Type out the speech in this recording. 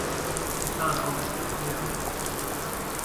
大腦喜歡這樣學